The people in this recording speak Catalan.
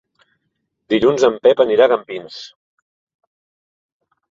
Dilluns en Pep anirà a Campins.